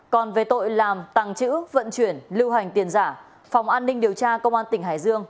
còn về tội làm tàng trữ vận chuyển lưu hành tiền giả phòng an ninh điều tra công an tỉnh hải dương